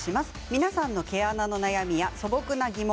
皆さんの毛穴の悩みや素朴な疑問